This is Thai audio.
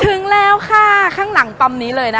ถึงแล้วค่ะข้างหลังปั๊มนี้เลยนะคะ